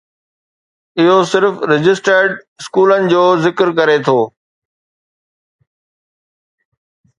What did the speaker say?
اهو صرف رجسٽرڊ اسڪولن جو ذڪر ڪري ٿو.